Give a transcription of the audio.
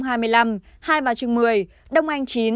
hai bà trưng một mươi đông anh chín